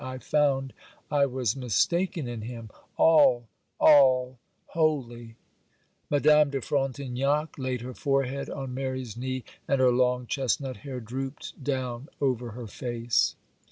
I found I was mistaken in him—all, all, wholly!' Madame de Frontignac laid her forehead on Mary's knee, and her long chestnut hair drooped down over her face.